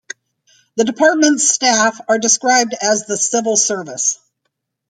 The departments' staff are described as the civil service.